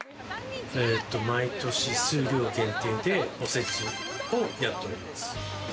毎年数量限定で、おせちをやっております。